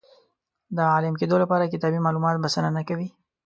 د عالم کېدو لپاره کتابي معلومات بسنه نه کوي.